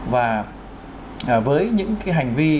và với những cái hành vi